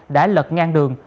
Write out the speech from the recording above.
đã lật ngang đường